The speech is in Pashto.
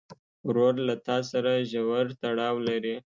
ورور له تا سره ژور تړاو لري.